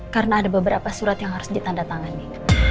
karena ada beberapa surat yang harus ditandatangani